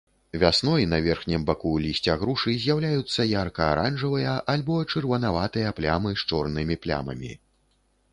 Вясной на верхнім баку лісця грушы з'яўляюцца ярка-аранжавыя альбо чырванаватыя плямы з чорнымі плямамі.